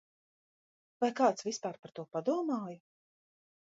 Vai kāds vispār par to padomāja?